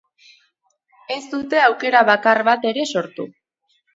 Ez dute aukera bakar bat ere sortu.